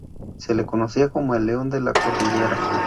Se le conocía como El León de la Cordillera.